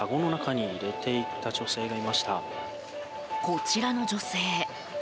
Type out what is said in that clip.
こちらの女性。